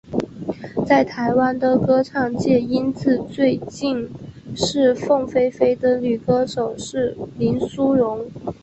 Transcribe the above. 在台湾的歌唱界音质最近似凤飞飞的女歌手是林淑容。